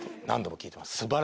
何度も聴いてます